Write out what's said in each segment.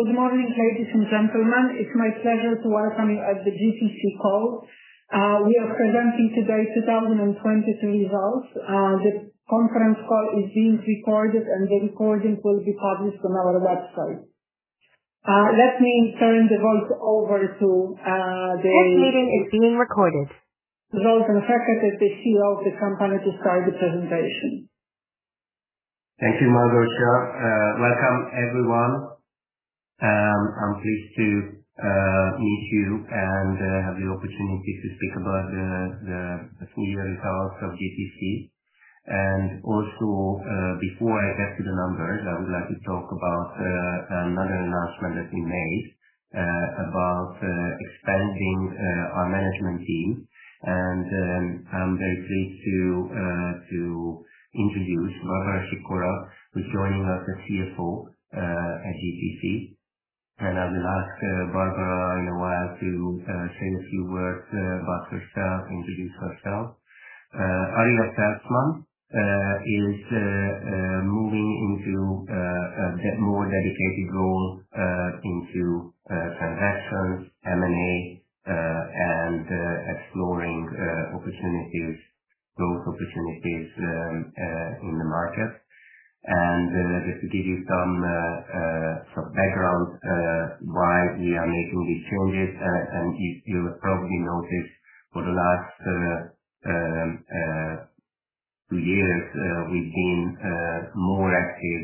Good morning, ladies and gentlemen. It's my pleasure to welcome you at the GTC call. We are presenting today's 2023 results. The conference call is being recorded and the recording will be published on our website. Let me turn the call over to. This meeting is being recorded. Zoltán Fekete, the CEO of the company, to start the presentation. Thank you, Małgorzata. Welcome everyone. I'm pleased to meet you and have the opportunity to speak about the senior results of GTC. Before I get to the numbers, I would like to talk about another announcement that we made about expanding our management team. I'm very pleased to introduce Barbara Sikora, who's joining us as CFO at GTC. I will ask Barbara in a while to say a few words about herself, introduce herself. Ariel Ferstman is moving into a more dedicated role into transactions, M&A, and exploring opportunities, growth opportunities in the market. Just to give you some background why we are making these changes. You, you probably noticed for the last two years, we've been more active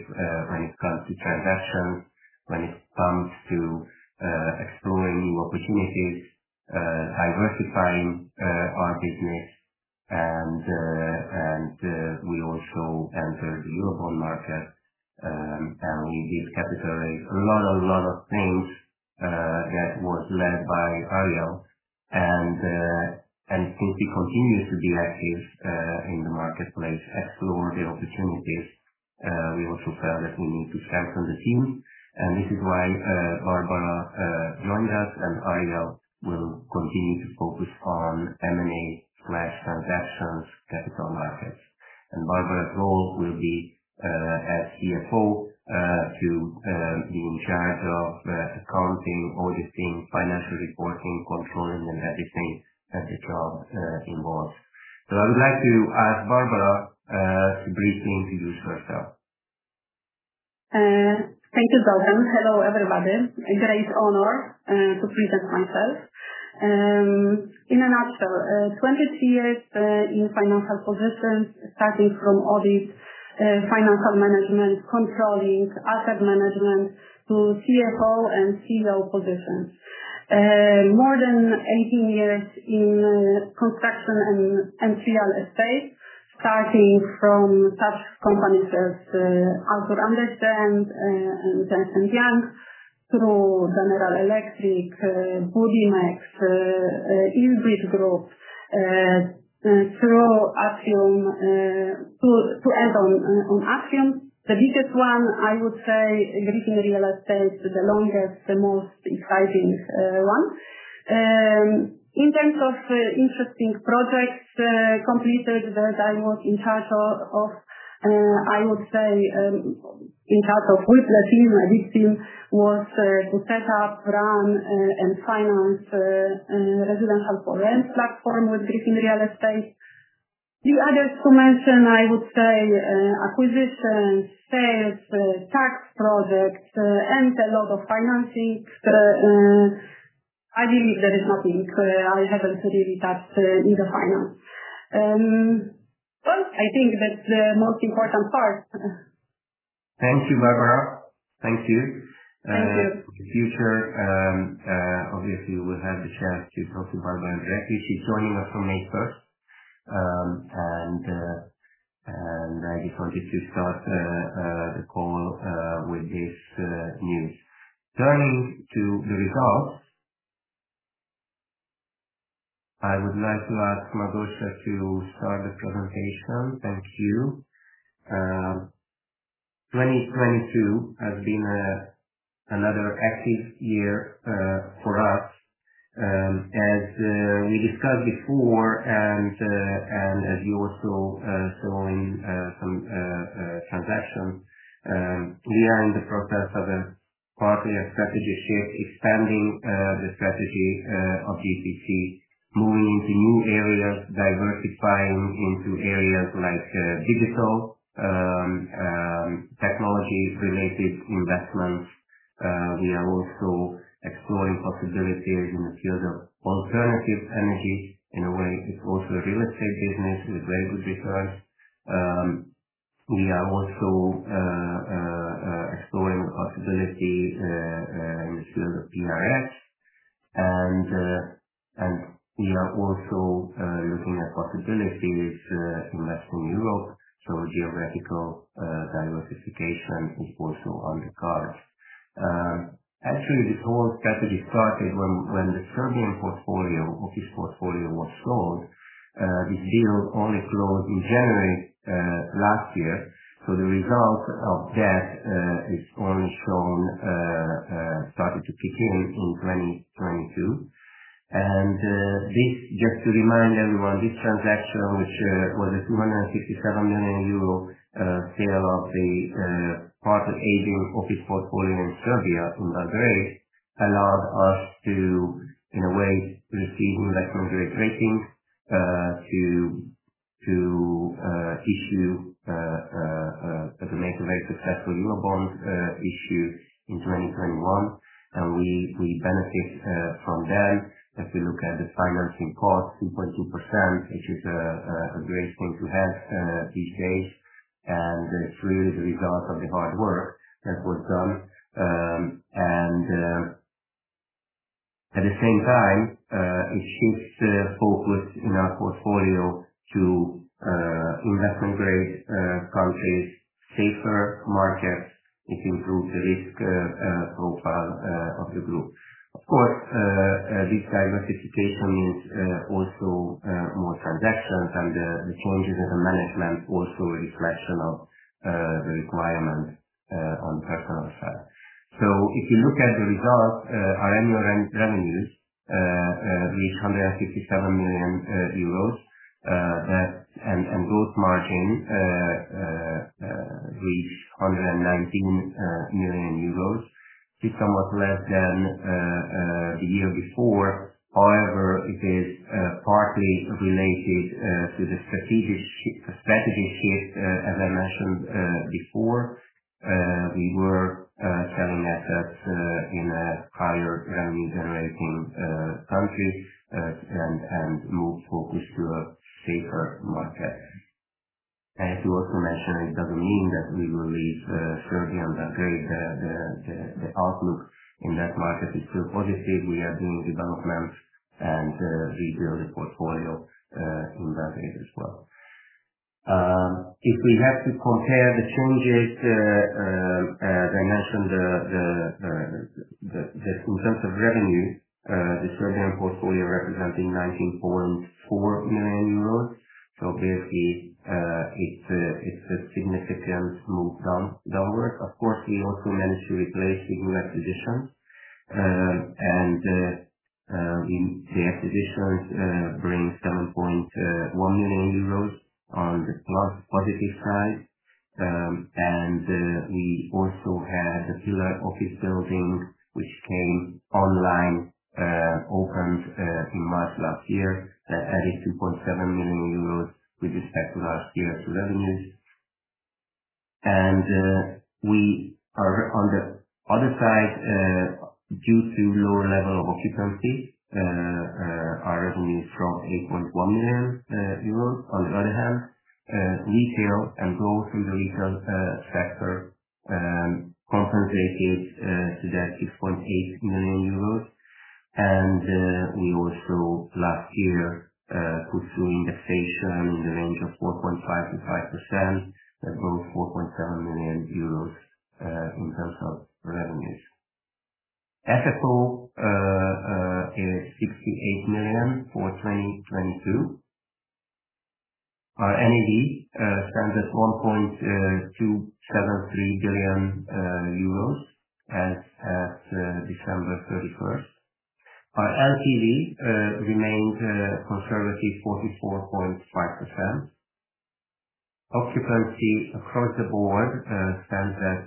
when it comes to transactions, when it comes to exploring new opportunities, diversifying our business. We also entered the Eurobond market, and we raised capital. A lot of things that was led by Ariel. Since we continue to be active in the marketplace, explore the opportunities, we also felt that we need to strengthen the team. This is why Barbara joining us, and Ariel will continue to focus on M&A/transactions, capital markets. Barbara's role will be as CFO to be in charge of accounting, auditing, financial reporting, controlling, and everything that the job involves. I would like to ask Barbara to briefly introduce herself. Thank you, Zoltan. Hello, everybody. A great honor to present myself. In a nutshell, 20 years in financial positions starting from audit, financial management, controlling, asset management to CFO and CEO positions. More than 18 years in construction and real estate, starting from such companies as Arthur Andersen and Ernst & Young, through General Electric, Budimex, IBRI Group, through Atrium, to add on Atrium. The biggest one, I would say Griffin Real Estate, the longest, the most exciting one. In terms of interesting projects completed that I was in charge of, I would say, in charge of with the team, a big team, was to set up, run, and finance residential for rent platform with Griffin Real Estate. Few others to mention, I would say, acquisitions, sales, tax projects, and a lot of financing. I believe there is nothing I haven't really touched in the finance. Well, I think that's the most important part. Thank you, Barbara. Thank you. Thank you. In the future, obviously we'll have the chance to talk to Barbara directly. She's joining us from May 1st. I just wanted to start the call with this news. Turning to the results. I would like to ask Małgorzata to start the presentation. Thank you. 2022 has been another active year for us. As we discussed before and as you also saw in some transactions. We are in the process of a partly a strategy shift, expanding the strategy of GTC, moving into new areas, diversifying into areas like digital, technology-related investments. We are also exploring possibilities in the field of alternative energy. In a way it's also a real estate business with very good returns. We are also exploring possibilities in the field of PRS. We are also looking at possibilities to invest in Europe. Geographical diversification is also on the cards. Actually this whole strategy started when the Serbian portfolio, office portfolio was sold. This deal only closed in January last year, so the result of that is only shown, started to kick in in 2022. This just to remind everyone, this transaction, which was a 267 million euro sale of the partly aging office portfolio in Serbia, in Belgrade, allowed us to, in a way, receiving that moderate rating, to issue, to make a very successful new bond issue in 2021. We benefit from that. If you look at the financing cost, 2.2%, which is a great thing to have these days, and it's really the result of the hard work that was done. At the same time, it shifts the focus in our portfolio to investment-grade countries, safer markets. It improves the risk profile of the group. Of course, this diversification means also more transactions and the changes in the management, also a reflection of the requirements on personal side. If you look at the results, our annual revenues reached EUR 157 million. Gross margin reached 119 million euros. It's somewhat less than the year before. It is partly related to the strategic shift as I mentioned before. We were selling assets in higher revenue-generating countries and more focused to a safer market. I have to also mention it doesn't mean that we will leave Serbia and Belgrade. The outlook in that market is still positive. We are doing developments and rebuilding portfolio in Belgrade as well. If we have to compare the changes as I mentioned, the in terms of revenue, the Serbian portfolio representing 19.4 million euros. It's a significant move downward. We also managed to replace new acquisitions. We... The acquisitions bring 7.1 million euros on the plus, positive side. We also had a Pillar office building which came online, opened in March last year. That added 2.7 million euros with respect to last year's revenues. We are on the other side, due to lower level of occupancy, our revenue from 8.1 million euros. On the other hand, retail and growth in the retail sector, contributing to that 6.8 million euros. We also last year put through inflation in the range of 4.5%-5%. That's only 4.7 million euros in terms of revenues. FFO is EUR 68 million for 2022. Our NAV stands at 1.273 billion euros as at December 31st. Our LTV remained a conservative 44.5%. Occupancy across the board stands at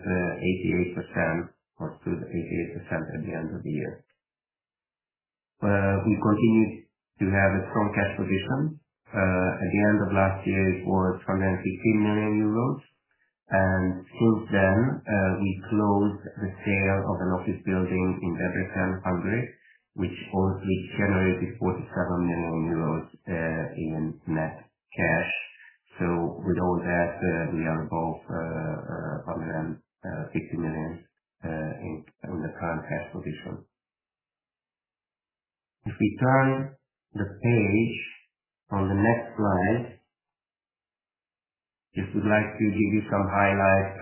88% or close to 88% at the end of the year. We continued to have a strong cash position. At the end of last year, it was 150 million euros and since then, we closed the sale of an office building in Belgrade, Hungary, which also generated 47 million euros in net cash. With all that, we are above 150 million in the current cash position. If we turn the page on the next slide, just would like to give you some highlights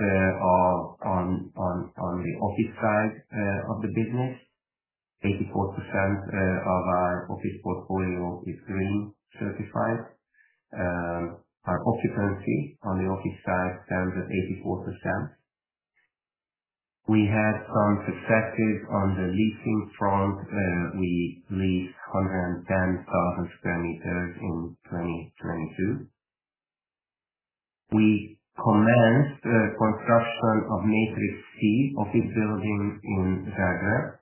on the office side of the business. 84% of our office portfolio is green certified. Our occupancy on the office side stands at 84%. We had some success on the leasing front. We leased 110,000 sq m in 2022. We commenced construction of Matrix C office building in Zagreb,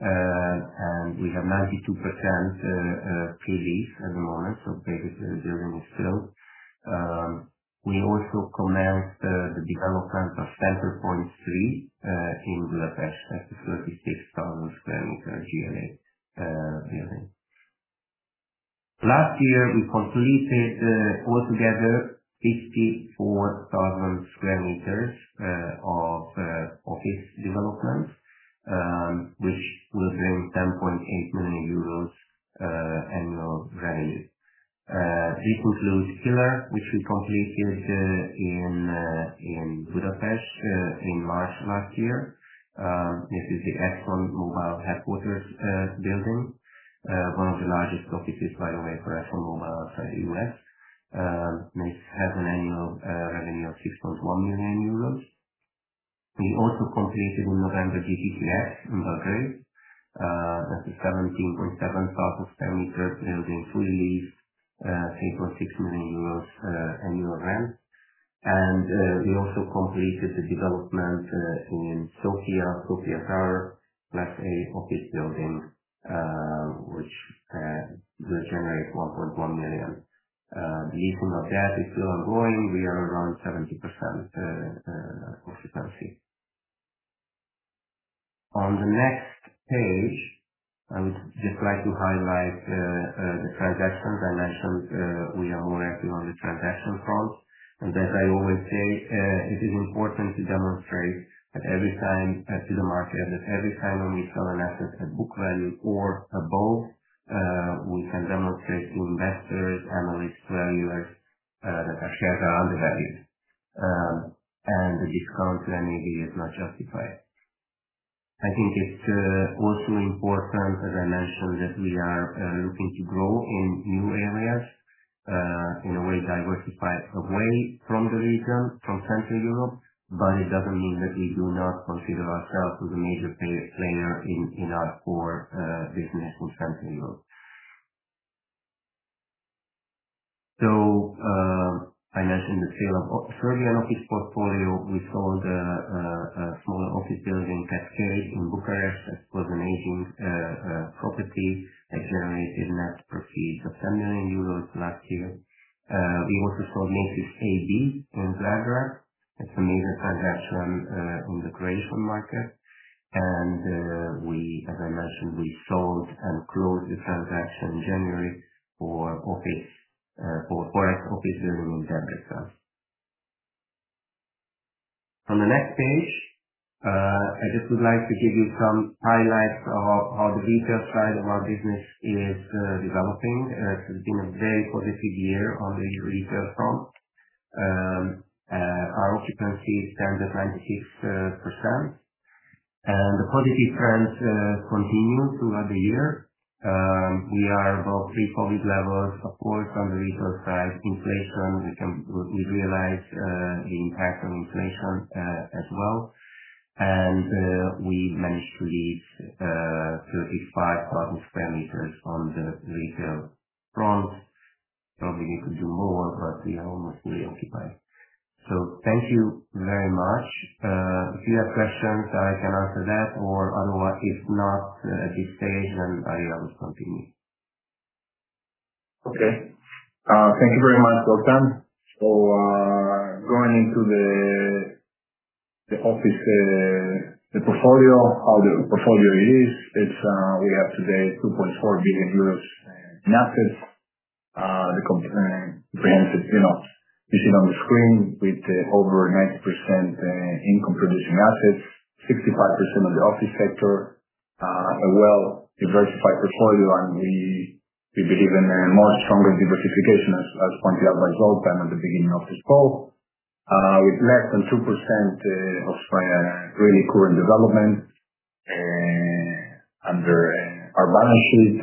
and we have 92% pre-lease at the moment, so basically the building is full. We also commenced the development of Center Point 3 in Budapest. That's a 36,000 sq m GLA building. Last year, we completed altogether 54,000 sq m of office developments, which will bring 10.8 million euros annual revenue. This includes Pillar, which we completed in Budapest in March last year. This is the ExxonMobil headquarters building. One of the largest offices by the way for ExxonMobil outside the U.S., which has an annual revenue of 6.1 million euros. We also completed in November, GTC X in Belgrade. That is 17,700 square meters building fully leased, EUR 8.6 million annual rent. We also completed the development in Sofia Tower. That's an office building, which will generate 1.1 million. The Istvan Utca is still ongoing. We are around 70% occupancy. On the next page, I would just like to highlight the transactions I mentioned. We are more active on the transaction front. As I always say, it is important to demonstrate that every time to the market, that every time when we sell an asset at book value or above, we can demonstrate to investors, analysts, valuers, that our shares are undervalued. The discount to NAV is not justified. I think it's also important, as I mentioned, that we are looking to grow in new areas, in a way diversify away from the region, from Central Europe, but it doesn't mean that we do not consider ourselves as a major player in our core business in Central Europe. I mentioned the sale of Serbian office portfolio. We sold a smaller office building, City Gate in Bucharest. That was an aging property that generated net proceeds of 10 million euros last year. We also sold Matrix A and B in Zagreb. It's a major transaction on the Croatian market. We, as I mentioned, we sold and closed the transaction in January for office, for forest office building in Zagreb itself. On the next page, I just would like to give you some highlights of how the retail side of our business is developing. It's been a very positive year on the retail front. Our occupancy is 10.96%. The positive trend continued throughout the year. We are above pre-COVID levels, of course, on the retail side. Inflation we've realized the impact of inflation as well. We managed to lease 35,000 square meters on the retail front. Probably need to do more, but we are almost fully occupied. Thank you very much. If you have questions, I can answer that or Alois, if not at this stage, I will continue. Okay. Thank you very much, Zoltán. Going into the office, the portfolio. How the portfolio is. It's, we have today 2.4 billion euros in assets. The finances, you know, you see on the screen with over 90% income producing assets, 65% of the office sector, a well-diversified portfolio. We believe in a more stronger diversification as pointed out by Zoltán at the beginning of his talk. With less than 2% of spending really core in development under our balance sheet.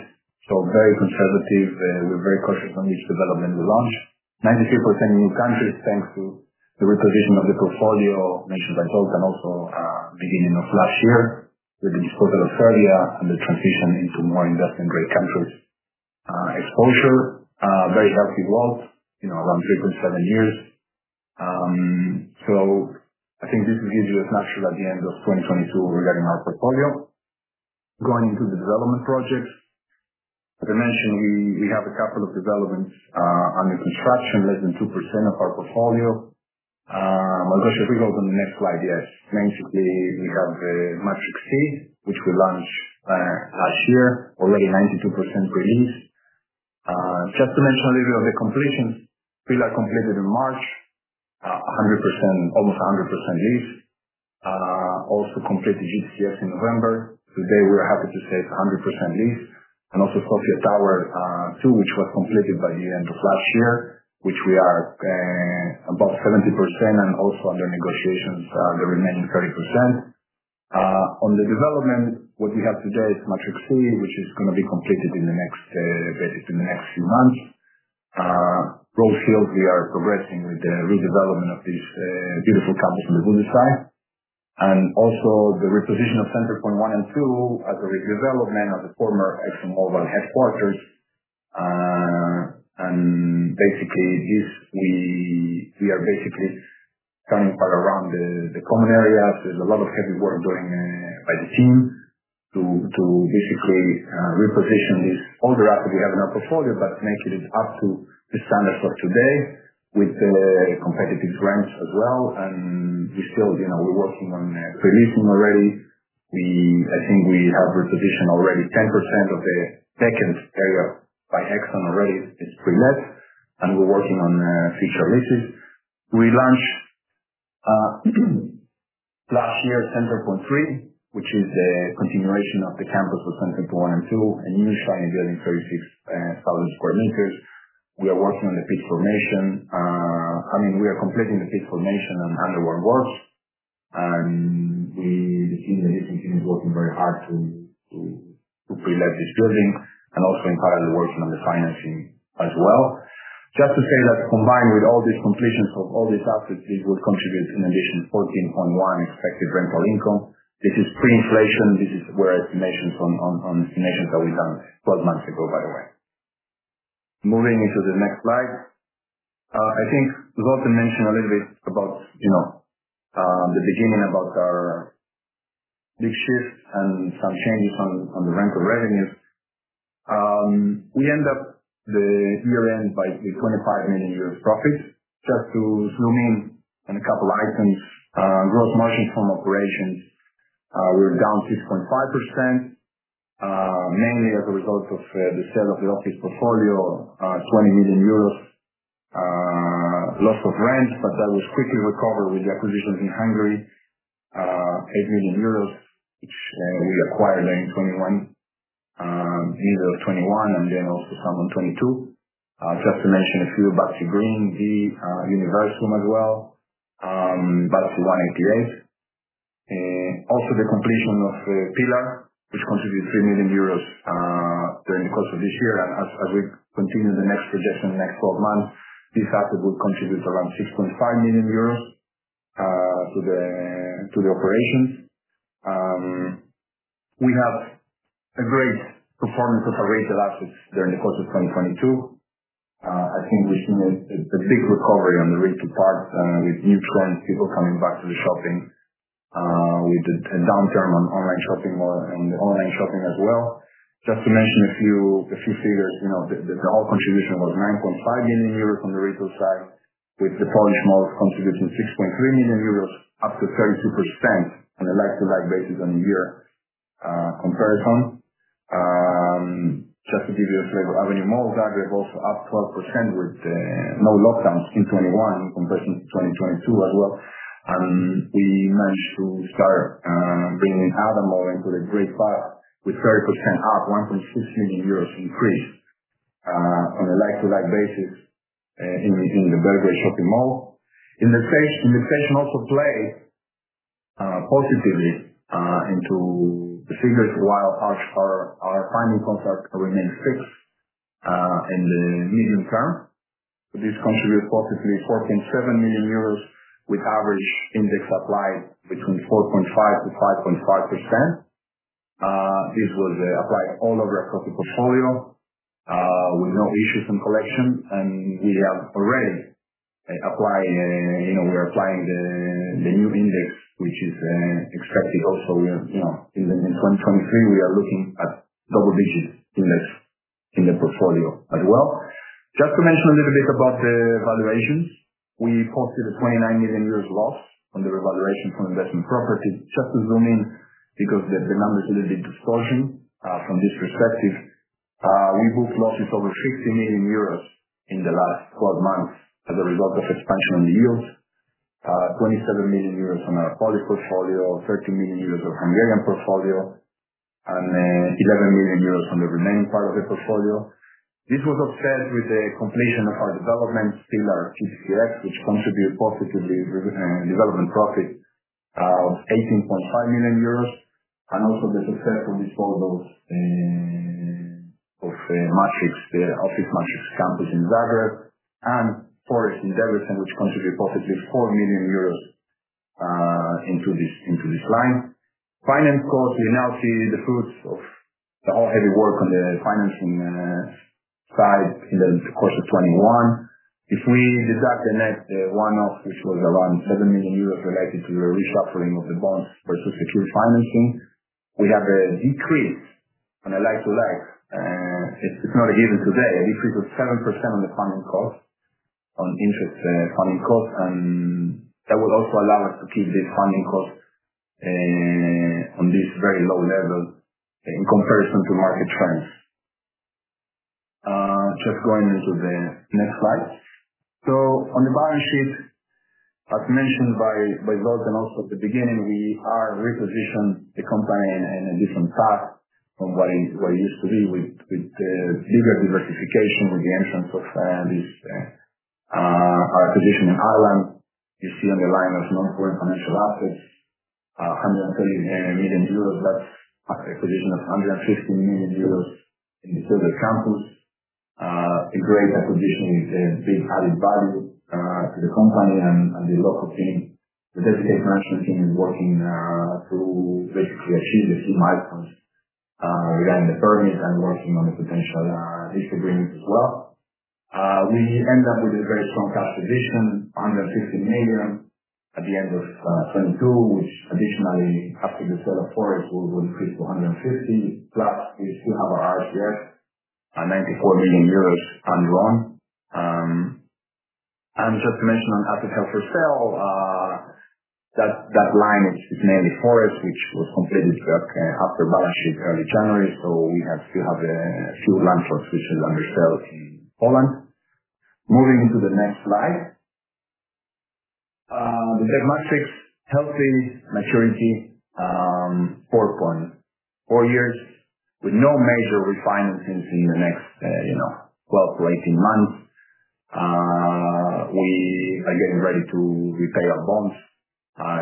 Very conservative. We're very cautious on which development we launch. 93% in new countries, thanks to the reposition of the portfolio mentioned by Zoltán also, beginning of last year with the disposal of Serbia and the transition into more investment grade countries. Exposure, very healthy growth, you know, around 3.7 years. I think this gives you a snapshot at the end of 2022 regarding our portfolio. Going into the development projects. As I mentioned, we have a couple of developments under construction, less than 2% of our portfolio. Although should be on the next slide, yes. Mainly we have Matrix C, which we launched last year, already 92% leased. Just to mention a little bit of the completions. Pillar completed in March. Almost 100% leased. Also completed GTC X in November. Today, we are happy to say it's 100% leased. Also Sofia Tower 2, which was completed by the end of last year, which we are about 70% and also under negotiations, the remaining 30%. On the development, what we have today is Matrix C which is gonna be completed in the next few months. Rose Hill, we are progressing with the redevelopment of this beautiful campus on the Buda side. Also the reposition of Center Point 1 and 2 as a redevelopment of the former ExxonMobil headquarters. Basically this we are basically coming far around the common areas. There's a lot of heavy work going by the team to basically reposition this older asset we have in our portfolio, but make it up to the standards of today with the competitive rents as well. We still, you know, we're working on pre-leasing already. I think we have repositioned already 10% of the second area by Exxon already is pre-let, and we're working on future leases. We launched last year Center Point 3, which is a continuation of the campus of Center Point 1 and 2, an additional building, 36,000 square meters. We are working on the pit formation. I mean, we are completing the pit formation and underwater works, and the team, the leasing team is working very hard to pre-let this building and also in parallel, working on the financing as well. Just to say that combined with all these completions of all these assets, this will contribute in addition 14.1 expected rental income. This is pre-inflation. This is where estimations on, on estimations that we've done 12 months ago, by the way. Moving into the next slide. I think we've also mentioned a little bit about, you know, the beginning about our big shift and some changes on the rental revenues. We end up the year-end by the 25 million euros profit. Just to zoom in on a couple items. Gross margin from operations, we're down 6.5%. Mainly as a result of the sale of the office portfolio. 20 million euros loss of rent, but that was quickly recovered with the acquisitions in Hungary. 8 million euros, which we acquired in 2021. End of 2021, and then also some in 2022. Just to mention a few, Váci Greens, the Univerzum as well. But one AP rate. Also the completion of Pillar, which contributed 3 million euros during the course of this year. As we continue the next projection in the next 12 months, this asset will contribute around 6.5 million euros to the operations. We have a great performance of our retail assets during the course of 2022. I think we've made a big recovery on the retail part, with new trends, people coming back to the shopping. We did a downturn on online shopping more, and online shopping as well. Just to mention a few figures. You know, the whole contribution was 9.5 million euros from the retail side, with the Polish malls contributing 6.3 million euros, up to 32% on a like-to-like basis on the year comparison. Just to give you a flavor, Avenue Mall, Zagreb also up 12% with no lockdowns in 2021 comparison to 2022 as well. We managed to start bringing Ada Mall into the great part with 30% up, 1.6 million euros increase on a like-to-like basis in the Belgrade Shopping Mall. Inflation also played positively into the figures, while our final contracts remain fixed in the medium term. This contributes positively, 14.7 million euros with average index applied between 4.5%-5.5%. This was applied all over across the portfolio with no issues in collection. We are already applying, you know, we are applying the new index, which is expected also, you know, in 2023, we are looking at double digits in the portfolio as well. Just to mention a little bit about the valuations. We posted a 29 million euros loss on the revaluation from investment properties. Just to zoom in, because the number is a little bit distortion from this perspective. We booked losses over 50 million euros in the last 12 months as a result of expansion on the yields. 27 million euros on our Polish portfolio, 13 million euros on Hungarian portfolio, and 11 million euros on the remaining part of the portfolio. This was offset with the completion of our development Pillar GTC X, which contributed positively with development profit of 18.5 million euros, and also the successful disposal of Matrix, the Office Matrix campus in Zagreb, and Forest Offices Budapest in which contribute positively 4 million euros into this line. Finance costs, we now see the fruits of the all heavy work on the financing side in the course of 2021. If we deduct the net one-off, which was around 7 million euros related to the restructuring of the bonds for future financing, we have a decrease on a like-to-like. It's not a given today, a decrease of 7% on the funding cost, on interest funding cost. That will also allow us to keep these funding costs on this very low level in comparison to market trends. Just going into the next slide. On the balance sheet, as mentioned by Zoltán also at the beginning, we are repositioned the company in a different path from what it used to be with different diversification with the entrance of this our position in Ireland. You see on the line as non-core financial assets, EUR 130 million. That's acquisition of 150 million euros in the Silver Campus. A great acquisition with a big added value to the company and the local team. The dedicated management team is working to basically achieve a few milestones regarding the permits and working on the potential lease agreements as well. We end up with a very strong cash position, under 15 million at the end of 2022, which additionally, after the sale of Forest, will increase to 150 million. Plus we still have our RCF, 94 million euros funding loan. Just to mention on assets held for sale, that line which is mainly Forest, which was completed back after balance sheet early January, we still have a few land plots which are under sale in Poland. Moving into the next slide. The debt metrics, healthy maturity, 4.4 years with no major refinancings in the next, you know, 12-18 months. We are getting ready to repay our bonds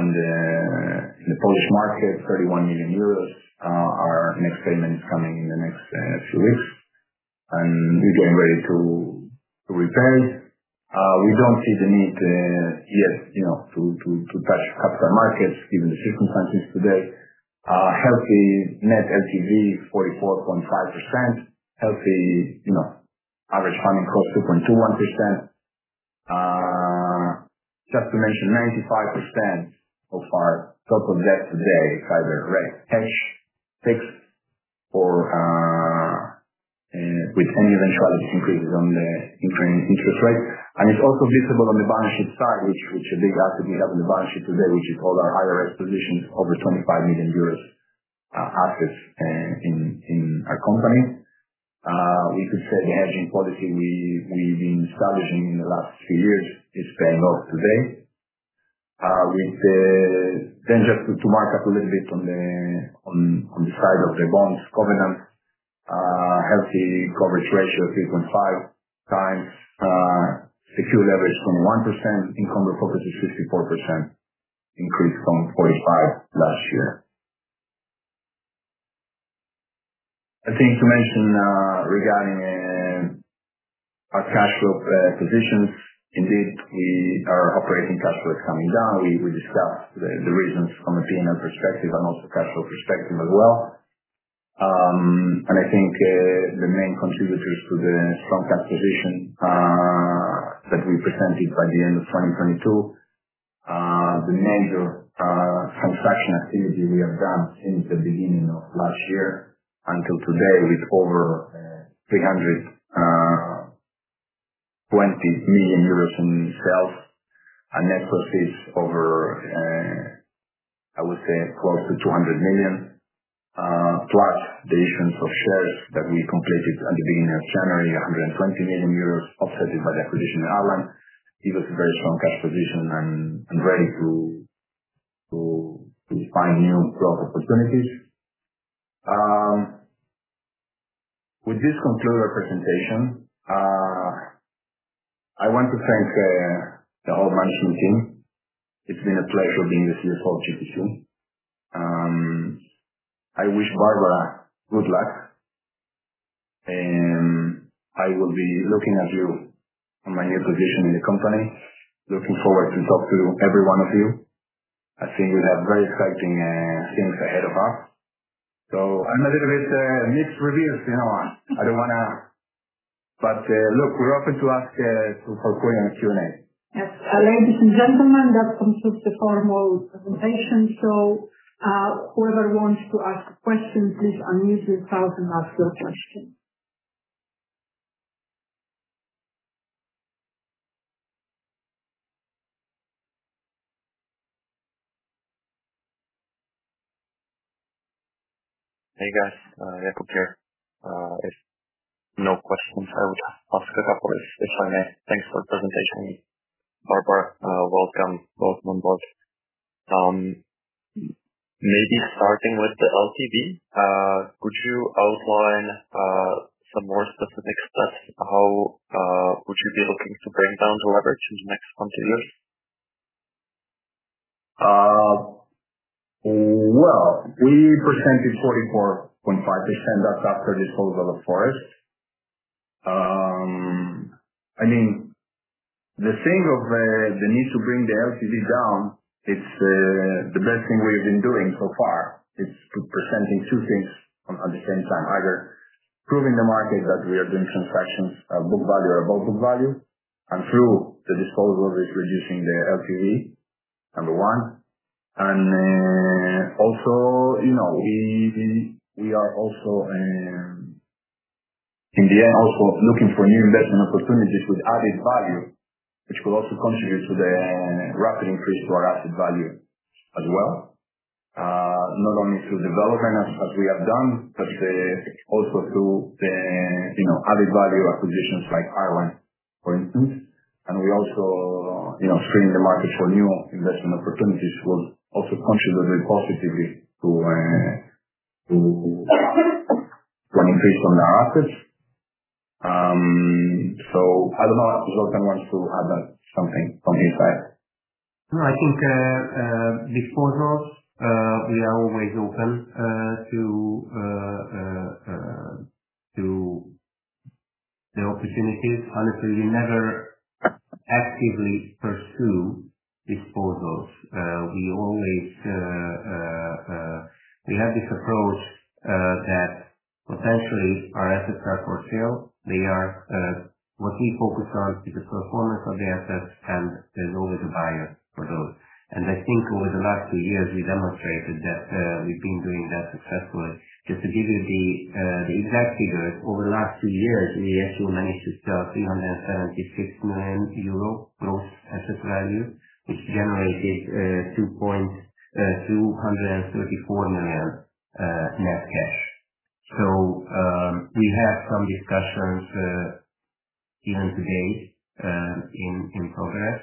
in the Polish market, 31 million euros. Our next payment is coming in the next few weeks, and we're getting ready to repay. We don't see the need yet, you know, to touch capital markets given the circumstances today. Healthy net LTV 44.5%. Healthy, you know, average funding cost 2.21%. Just to mention, 95% of our total debt today is either rate hedge, fixed, or with any eventuality increases on the increasing interest rate. It's also visible on the balance sheet side, which indeed has to be up on the balance sheet today, which is all our higher risk positions over EUR 25 million assets in our company. We could say the hedging policy we've been establishing in the last few years is paying off today. Just to mark up a little bit on the side of the bonds covenants, healthy coverage ratio of 3.5 times, secure leverage from 1%, income cover is 54%, increase from 45 last year. I think to mention regarding our cash flow position, indeed we are operating cash flow is coming down. We discussed the reasons from a P&L perspective and also cash flow perspective as well. I think the main contributors to the strong cash position that we presented by the end of 2022, the major transaction activity we have done since the beginning of last year until today, with over 320 million euros in sales. A net proceed over I would say close to 200 million, plus the issuance of shares that we completed at the beginning of January, 120 million euros, offset it by the acquisition of Ireland. It was a very strong cash position and ready to find new growth opportunities. With this, conclude our presentation. I want to thank the whole management team. It's been a pleasure being the CFO of GTC. I wish Barbara good luck and I will be looking at you from my new position in the company. Looking forward to talk to every one of you. I think we have very exciting things ahead of us. I'm a little bit mixed reviews, you know. Look, we're open to ask for any Q&A. Yes. Ladies and gentlemen, that concludes the formal presentation. Whoever wants to ask questions, please unmute yourself and ask your question. Hey guys, Jacob here. If no questions, I would ask a couple if I may. Thanks for the presentation, Barbara. Welcome both on board. Maybe starting with the LTV, could you outline some more specific steps how would you be looking to bring down the leverage in the next continues? Well, we presented 44.5%. That's after disposal of Forest Offices. I mean, the thing of the need to bring the LTV down, it's the best thing we have been doing so far, is to presenting two things on, at the same time. Either proving the market that we are doing transactions at book value or above book value, through the disposal is reducing the LTV, number 1. Also, you know, we are also in the end also looking for new investment opportunities with added value, which will also contribute to the rapid increase to our asset value as well. Not only through development as we have done, but also through the, you know, added value acquisitions like Ireland, for instance. We also, you know, screen the market for new investment opportunities will also contribute very positively to an increase on our assets. I don't know if Zoltán wants to add something from his side. No, I think, disposals, we are always open to the opportunities. Honestly, we never actively pursue disposals. We always, we have this approach that potentially our assets are for sale. They are. What we focus on is the performance of the assets, and there's always a buyer for those. I think over the last two years, we demonstrated that we've been doing that successfully. Just to give you the exact figures, over the last two years, we actually managed to sell 376 million euro gross asset value, which generated EUR 234 million net cash. We have some discussions even today in progress.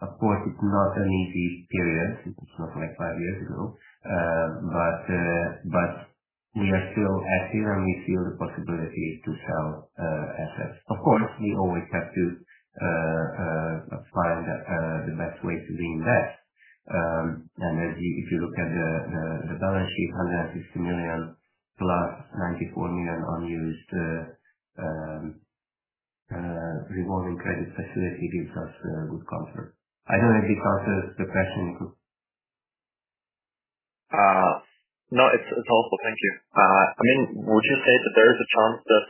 Of course, it's not an easy period. It's not like five years ago. We are still active, and we see all the possibilities to sell assets. Of course, we always have to find the best way to do that. If you look at the balance sheet, 160 million plus 94 million unused revolving credit facility gives us a good comfort. I don't think it answers the question. No, it's helpful. Thank you. I mean, would you say that there is a chance that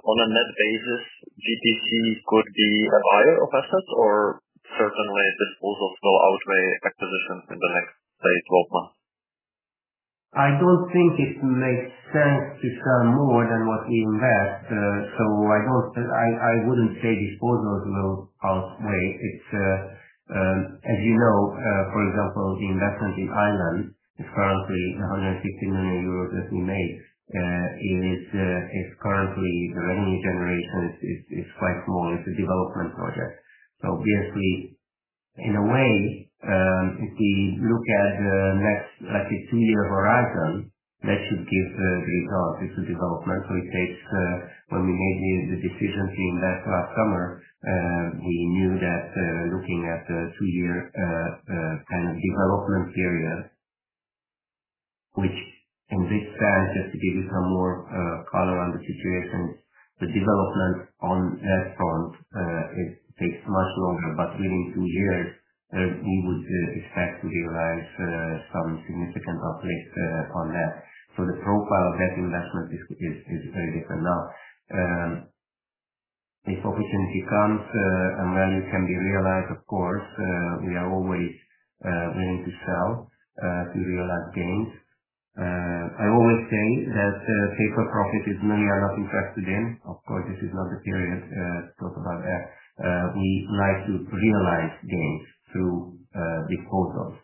on a net basis, GTC could be a buyer of assets or certainly disposals will outweigh acquisitions in the next, say, 12 months? I don't think it makes sense to sell more than what we invest. I wouldn't say disposals will outweigh. It's, as you know, for example, the investment in Ireland is currently 160 million euros that we made. It is, it's currently the revenue generation is quite small. It's a development project. Obviously, in a way, if we look at the next, like, a 2-year horizon, that should give the results. It's a development. It takes when we made the decision to invest last summer, we knew that looking at a 2-year kind of development period, which in this sense, just to give you some more color on the situation, the development on that front, it takes much longer. Within two years, we would expect to realize some significant uplift on that. The profile of that investment is very different now. If opportunity comes, and value can be realized, of course, we are always willing to sell to realize gains. I always say that paper profit is money you're not interested in. Of course, this is not the period to talk about that. We like to realize gains through disposals.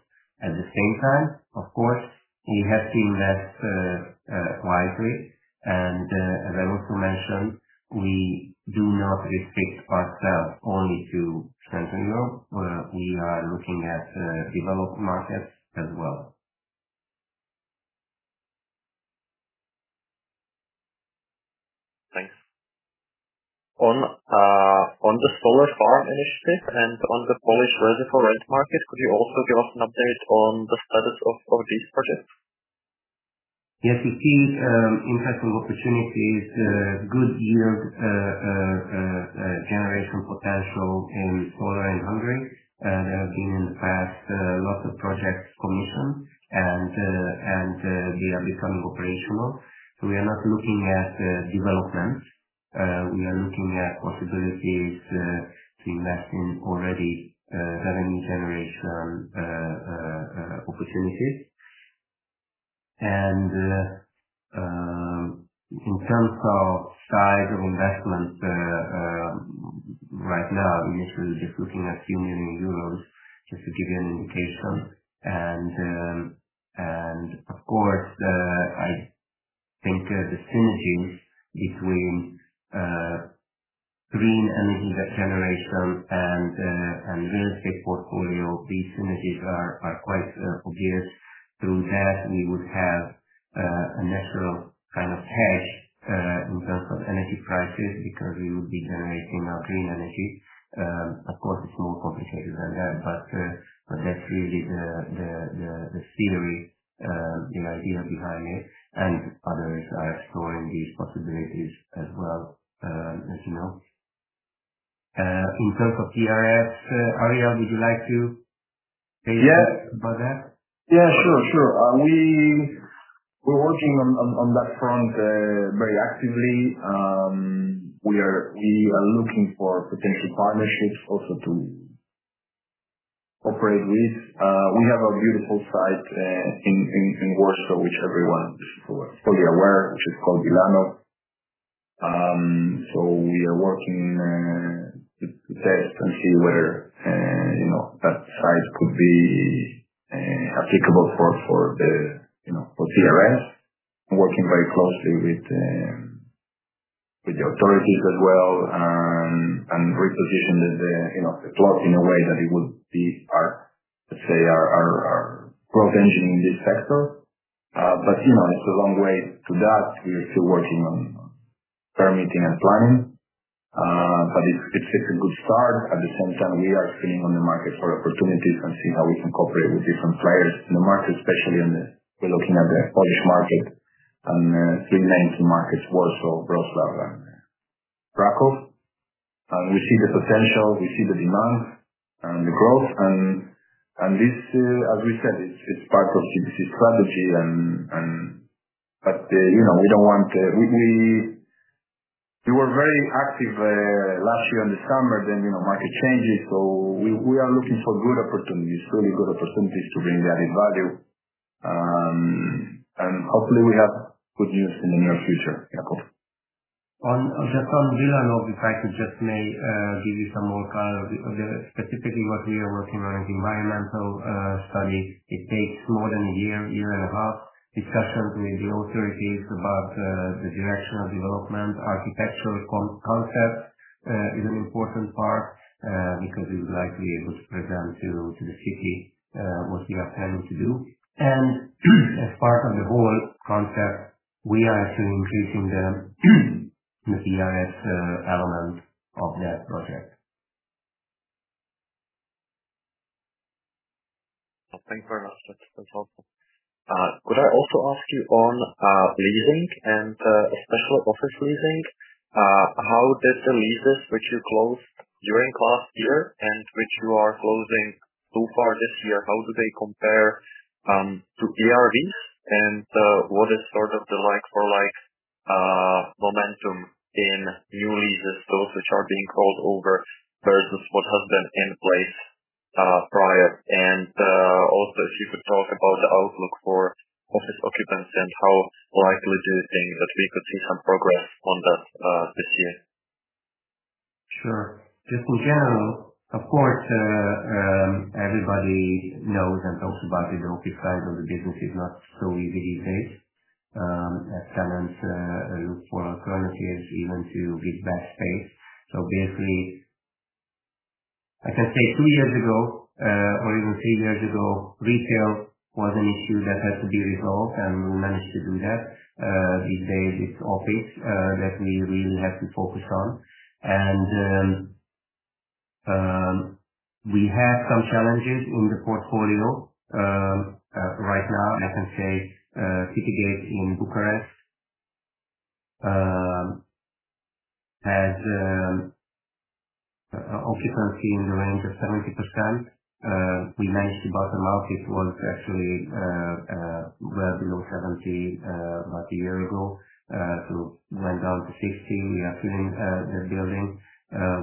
At the same time, of course, we have seen that widely. As I also mentioned, we do not restrict ourselves only to Central Europe, where we are looking at developed markets as well. Thanks. On the solar farm initiative and on the Polish residential rent market, could you also give us an update on the status of these projects? Yes, we've seen impactful opportunities, good yield generation potential in solar and Hungary. There have been in the past, lots of projects commissioned and they are becoming operational. We are not looking at development. We are looking at possibilities to invest in already revenue generation opportunities. In terms of size of investment, right now, we're usually just looking at a few million EUR, just to give you an indication. Of course, I think the synergies between green energy generation and real estate portfolio, these synergies are quite obvious. Through that we would have a natural kind of hedge in terms of energy prices, because we would be generating our green energy. Of course, it's more complicated than that, but that's really the scenery, the idea behind it, and others are exploring these possibilities as well, as you know. In terms of ERV, Ariel, would you like to say something about that? Yeah. Sure, sure. We're working on that front very actively. We are looking for potential partnerships also to operate with. We have a beautiful site in Warsaw, which everyone is fully aware, which is called Wilanów. We are working to test and see whether, you know, that site could be applicable for the, you know, for PRS. Working very closely with the authorities as well and reposition the, you know, the plot in a way that it would be our, let's say, our growth engine in this sector. You know, it's a long way to that. We are still working on permitting and planning, but it's a good start. At the same time, we are seeing on the market for opportunities and see how we can cooperate with different players in the market. We're looking at the Polish market and three main markets, Warsaw, Wrocław and Kraków. We see the potential, we see the demand and the growth and this, as we said, it's part of GTC strategy. You know, we don't want, we were very active last year in the summer then, you know, market changes. We are looking for good opportunities, really good opportunities to bring the added value. Hopefully we have good news in the near future. Jacob? On the front Wilanów, if I could just may give you some more color. Specifically what we are working on is environmental study. It takes more than one year, one and a half years. Discussions with the authorities about the direction of development. Architectural concept is an important part because we would like to be able to present to the city what we are planning to do. As part of the whole concept, we are assuming using the With the element of that project. Thanks very much. That's helpful. Could I also ask you on leasing and special office leasing, how did the leases which you closed during last year and which you are closing so far this year, how do they compare to ERVs? What is sort of the like for like momentum in new leases, those which are being rolled over versus what has been in place prior. Also if you could talk about the outlook for office occupancy and how likely do you think that we could see some progress on that this year? Sure. Just in general, of course, everybody knows and talks about, you know, because of the business is not so easy these days, as talents look for currencies even to give back space. Basically. I can say two years ago, or even three years ago, retail was an issue that had to be resolved, and we managed to do that. These days it's office that we really have to focus on. We have some challenges in the portfolio. Right now, I can say, City Gate in Bucharest has occupancy in the range of 70%. We managed to bottom out. It was actually well below 70, about a year ago. Went down to 60. We are filling the building.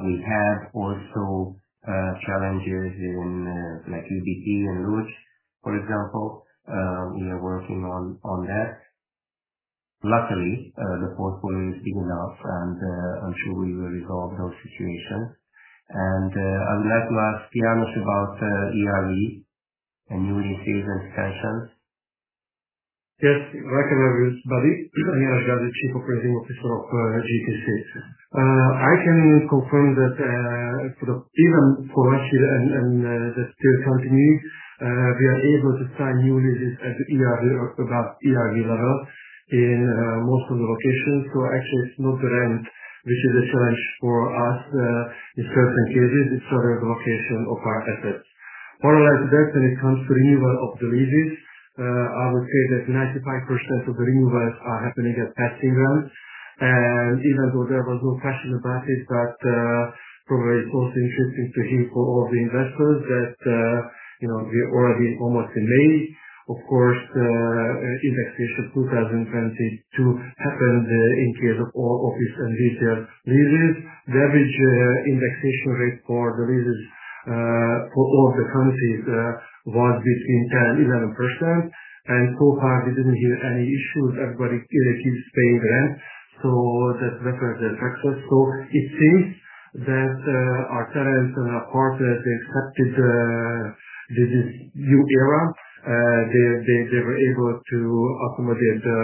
We had also challenges in like UDT and Łódź, for example. We are working on that. Luckily, the portfolio is big enough, and I'm sure we will resolve those situations. I'll let Janusz about ERV and new leases and extensions. Yes. Like the chief operating officer of GTC. I can confirm that sort of even for last year and that still continue, we are able to sign new leases at ERV or above ERV level in most of the locations. Actually it's not the rent which is a challenge for us, in certain cases, it's rather the location of our assets. Otherwise, when it comes to renewal of the leases, I would say that 95% of the renewals are happening at passing rent. Even though there was no question about it, but probably it's also interesting to hear for all the investors that, you know, we are already almost in May. Of course, indexation 2022 happened in case of all office and retail leases. The average indexation rate for the leases for all the countries was between 10-11%. So far we didn't hear any issues. Everybody still keeps paying rent. That represents success. It seems that our tenants and our partners accepted this new era. They were able to accommodate the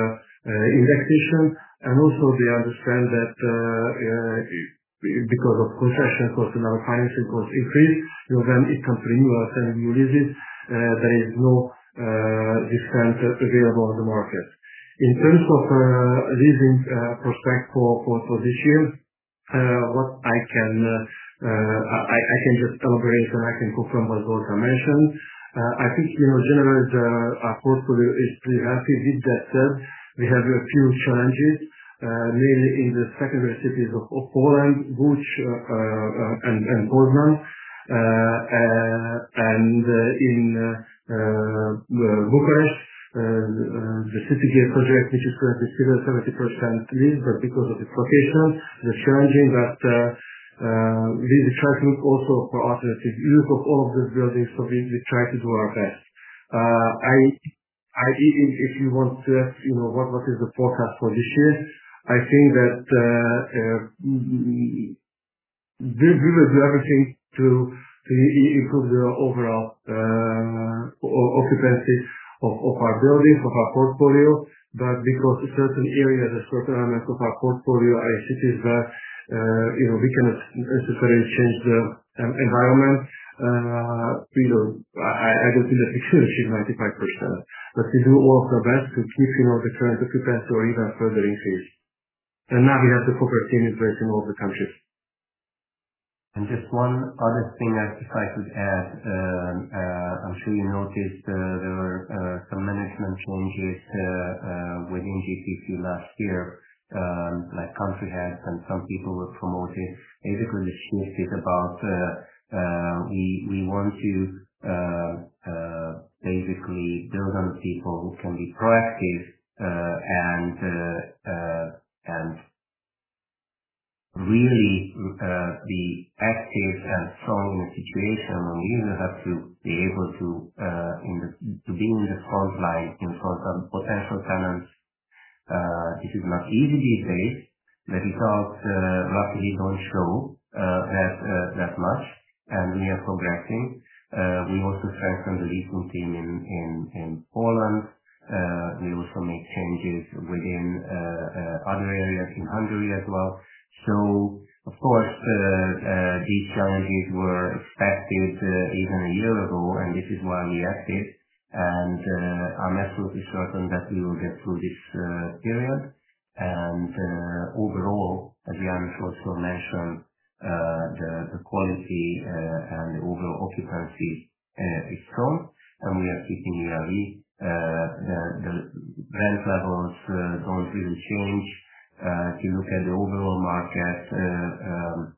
indexation. Also, they understand that because of concession costs and our financing costs increase, you know, when it comes to renewals and new leases, there is no discount available on the market. In terms of leasing prospect for this year, what I can just elaborate and I can confirm what Zoltán mentioned. I think in general, our portfolio is pretty healthy with that said. We have a few challenges, mainly in the secondary cities of Poland, Łódź, and in inaudible, and in Bucharest. The City Gate project, which is currently 70% leased, but because of its location, the challenging, we try to look also for alternative use of all of those buildings. We try to do our best. If you want, you know what is the forecast for this year? I think that we will do everything to include the overall occupancy of our buildings, of our portfolio. Because certain areas of certain elements of our portfolio are in cities where, you know, we cannot necessarily change the environment, you know, I would say that we still achieve 95%. We do all of our best to keep, you know, the current occupancy or even further increase. Now we have the proper team in place in all the countries. Just one other thing I'd just like to add. I'm sure you noticed, there were some management changes within GTC last year, like country heads and some people were promoted. Basically the shift is about, we want to basically build on people who can be proactive, and really be active and strong in a situation. We really have to be able to be in the spotlight in front of potential talents. This is not easy these days, the results luckily don't show as that much. We are progressing. We also strengthened the leasing team in Poland. We also make changes within other areas in Hungary as well. Of course, these challenges were expected even a year ago, and this is why we acted. I'm absolutely certain that we will get through this period. Overall, as Janusz also mentioned, the quality and the overall occupancy is strong, and we are keeping our lead. The rent levels don't really change. If you look at the overall market,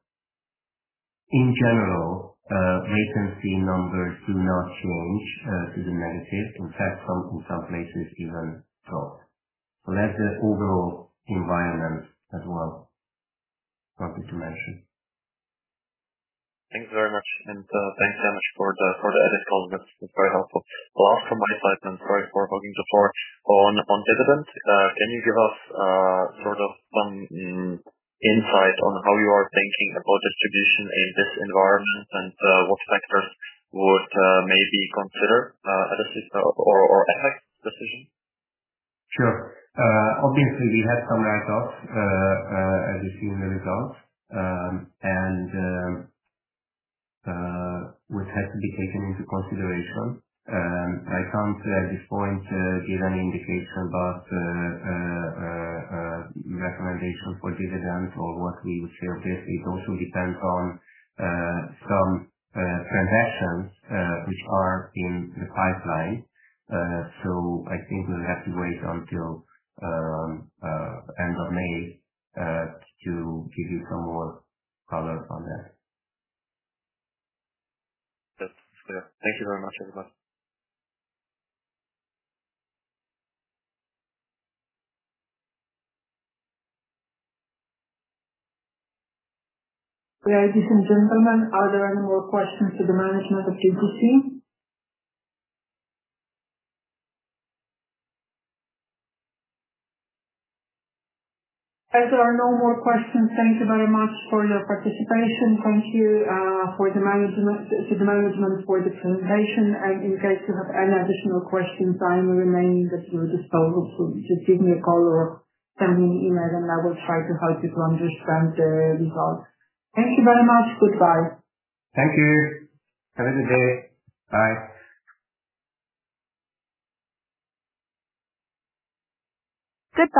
in general, vacancy numbers do not change to the negative. In fact, some, in some places even dropped. That's the overall environment as well. Happy to mention. Thanks very much. Thanks Janusz for the edit comments. It's very helpful. Well, from my side, and sorry for talking before. On dividend, can you give us sort of some insight on how you are thinking about distribution in this environment and what factors would maybe consider at this stage or affect decision? Sure. Obviously we had some write ups, as you've seen the results. Which had to be taken into consideration. I can't at this point give any indication about recommendation for dividends or what we will share with it. It also depends on some transactions which are in the pipeline. I think we'll have to wait until end of May to give you some more color on that. That's clear. Thank you very much everyone. Ladies and gentlemen, are there any more questions for the management of GTC? There are no more questions, thank you very much for your participation. Thank you to the management for the presentation. In case you have any additional questions, I will remain at your disposal. Just give me a call or send me an email, and I will try to help you to understand the results. Thank you very much. Goodbye. Thank you. Have a good day. Bye. Goodbye.